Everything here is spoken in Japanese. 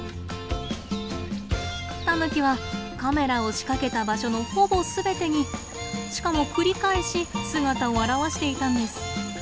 タヌキはカメラを仕掛けた場所のほぼ全てにしかも繰り返し姿を現していたんです。